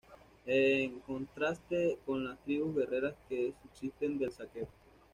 En contraste con las tribus guerreras que subsisten del saqueo".